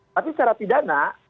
tapi secara pidana